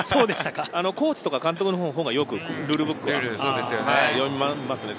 コーチとか監督のほうがよくルールブックを読みますね。